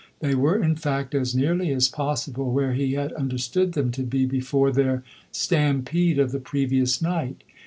They were, in fact, as nearly as possible where he had understood them to be before their stampede of the previous night.